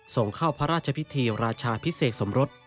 ส่งเข้าพระราชพิธีราชาพิเศษสมรส